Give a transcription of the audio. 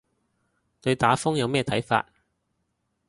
對打風有咩睇法